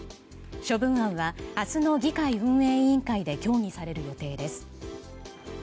処分案は明日の議会運営委員会で協議される予定です。